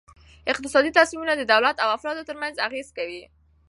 اقتصادي تصمیمونه د دولت او افرادو ترمنځ اغیز کوي.